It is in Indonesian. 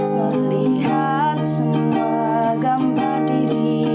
melihat semua gambar diri